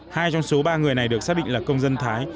hai trong số ba người này được xác định là công dân thái